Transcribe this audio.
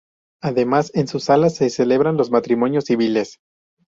Además, en sus salas, se celebran los matrimonios civiles.